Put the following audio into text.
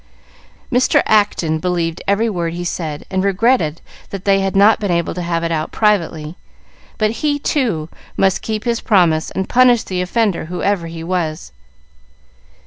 Mr. Acton believed every word he said, and regretted that they had not been able to have it out privately, but he, too, must keep his promise and punish the offender, whoever he was.